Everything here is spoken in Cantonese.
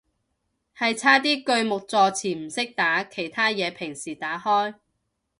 係差啲句末助詞唔識打，其他嘢平時打開